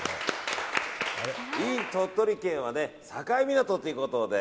ｉｎ鳥取はね、境港ということで。